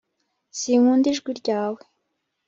sinkunda ijwi ryawe